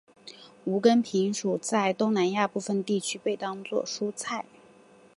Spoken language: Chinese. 无根萍属在东南亚部份地区被当作蔬菜。